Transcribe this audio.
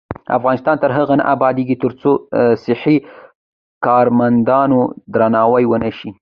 افغانستان تر هغو نه ابادیږي، ترڅو د صحي کارمندانو درناوی ونشي.